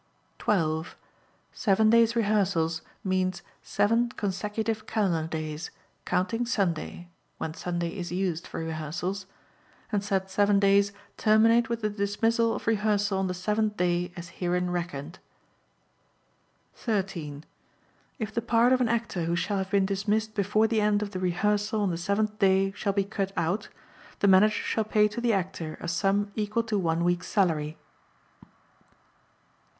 12. Seven days' rehearsals means seven consecutive calendar days, counting Sunday (when Sunday is used for rehearsals), and said seven days terminate with the dismissal of rehearsal on the seventh day as herein reckoned. 13. If the part of an Actor who shall have been dismissed before the end of the rehearsal on the seventh day shall be cut out, the Manager shall pay to the Actor a sum equal to one week's salary.